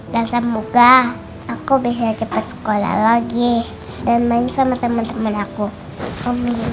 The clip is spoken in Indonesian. dan semoga aku bisa cepat sekolah lagi dan main sama temen temen aku amin